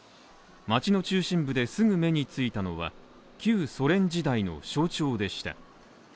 街の中心部ですぐ目についたのは旧ソ連時代の象徴でした。